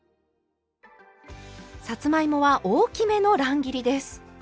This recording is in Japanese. さつまいもは大きめの乱切りです。